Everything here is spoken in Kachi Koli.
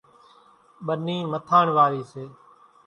ٻنِي مٿاڻ وارِي سي۔